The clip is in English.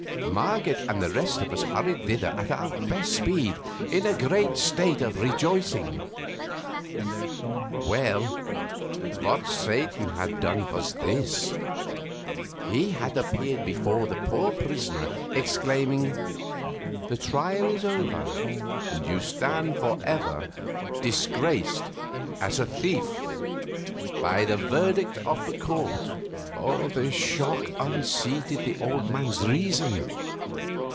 Marget and the rest of us hurried thither at our best speed, in a great state of rejoicing. Well, what Satan had done was this: he had appeared before that poor prisoner, exclaiming, "The trial is over, and you stand forever disgraced as a thief by verdict of the court!" The shock unseated the old man's reason.